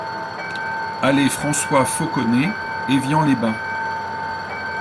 Allée Francois Fauconnet, Évian-les-Bains